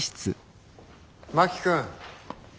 真木君